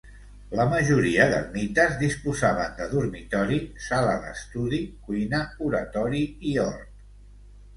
La majoria d'ermites disposaven de dormitori, sala d'estudi, cuina, oratori i hort.